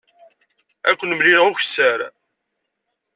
Ad ken-mlileɣ ukessar.